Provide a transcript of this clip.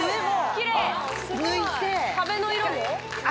壁の色も？